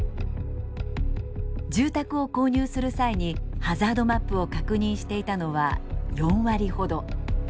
住宅を購入する際にハザードマップを確認していたのは４割ほど。